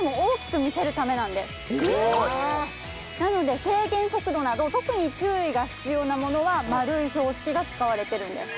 なので制限速度など特に注意が必要なものは丸い標識が使われてるんです。